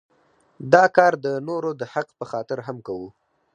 دا کار د نورو د حق په خاطر هم کوو.